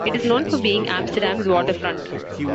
It is known for being Amsterdam's waterfront.